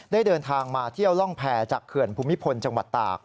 เดินทางมาเที่ยวร่องแพรจากเขื่อนภูมิพลจังหวัดตาก